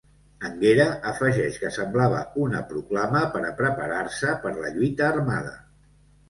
Anguera afegeix que semblava una proclama per a preparar-se per la lluita armada.